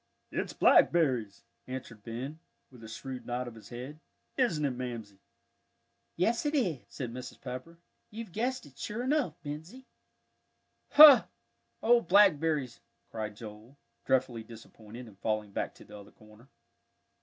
"It's blackberries," answered Ben, with a shrewd nod of his head. "Isn't it, Mamsie?" "Yes, it is," said Mrs. Pepper; "you've guessed it, sure enough, Bensie." "Hoh old blackberries!" cried Joel, dreadfully disappointed, and falling back to the other corner.